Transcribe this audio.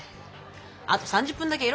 あと３０分だけいろよ。